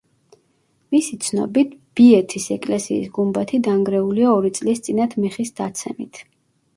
მისი ცნობით: „ბიეთის ეკლესიის გუმბათი დანგრეულია ორი წლის წინათ მეხის დაცემით“.